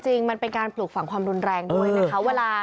จริงมันเป็นการปลูกฝังความรุนแรงด้วย